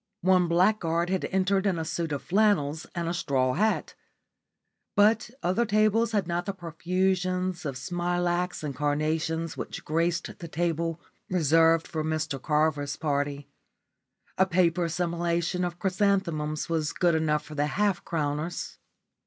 One blackguard had entered in a suit of flannels and a straw hat. But other tables had not the profusion of smilax and carnations which graced the table reserved for Mr Carver's party. A paper simulation of chrysanthemums was good enough for the half crowners.